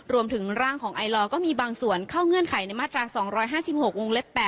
รวมถึงร่างของไอลอก็มีบางส่วนเข้าเงื่อนไขในมาตรา๒๕๖วงเล็บ๘